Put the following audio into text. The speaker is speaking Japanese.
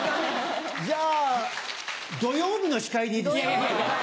じゃあ土曜日の司会でいいですか？